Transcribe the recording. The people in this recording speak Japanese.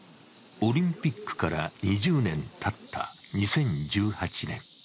オリンピックから２０年たった２０１８年。